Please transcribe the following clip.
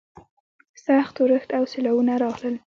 سخت اورښت او سیلاوونه راغلل.